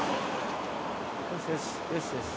よしよしよしよし。